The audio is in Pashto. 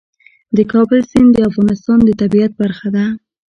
د کابل سیند د افغانستان د طبیعت برخه ده.